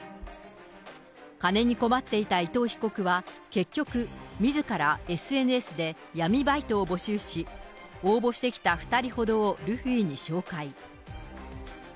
金に困っていた伊藤被告は、結局、みずからＳＮＳで闇バイトを募集し、応募してきた２人ほどをルフィに紹介。